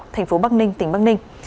tp bắc ninh tỉnh bắc ninh